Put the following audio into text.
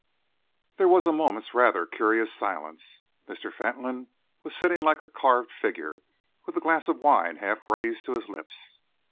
There was a moment's rather curious silence. Mr. Fentolin was sitting like a carved figure, with a glass of wine half raised to his lips.